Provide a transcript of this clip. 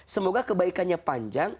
semoga kebaikannya panjang